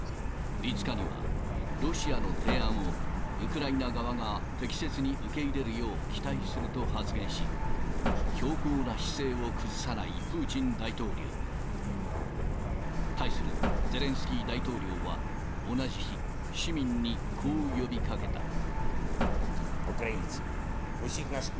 ５日には、ロシアの提案を、ウクライナ側が適切に受け入れるよう期待すると発言し、強硬な姿勢を崩さないプーチン大統領。対するゼレンスキー大統領は、同じ日、市民にこう呼びかけた。